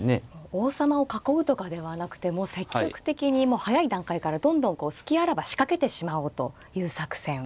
王様を囲うとかではなくてもう積極的に早い段階からどんどん隙あらば仕掛けてしまおうという作戦なんですね。